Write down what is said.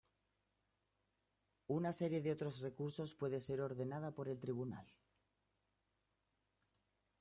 Una serie de otros recursos puede ser ordenada por el tribunal.